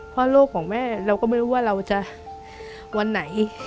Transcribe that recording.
เพราะโลกของแม่เราก็ไม่รู้ว่าเราจะวันไหน